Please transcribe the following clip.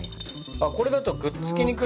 あこれだとくっつきにくい。